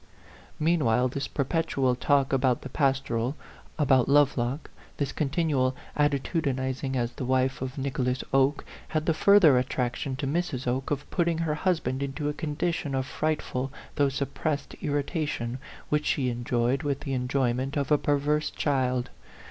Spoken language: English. Meanwhile this perpetual talk about the pastoral, about Lovelock, this continual atti tudinizing as the wife of Nicholas Oke, had the further attraction to Mrs. Oke of putting her husband into a condition of frightful though suppressed irritation, which she en joyed with the enjoyment of a perverse child.